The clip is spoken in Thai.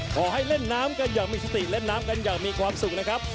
ขอให้เล่นน้ำกันอย่างมีสติเล่นน้ำกันอย่างมีความสุขนะครับ